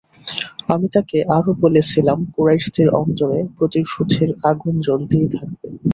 আমি তাকে আরো বলেছিলাম, কুরাইশদের অন্তরে প্রতিশোধের আগুন জ্বলতেই থাকবে।